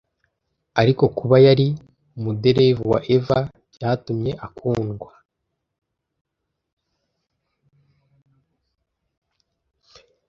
Ariko, kuba yari umuderevu wa EVA byatumye akundwa.